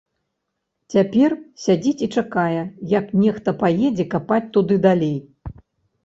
Цяпер сядзіць і чакае, як нехта паедзе капаць туды далей.